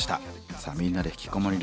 さあ「みんなでひきこもりラジオ」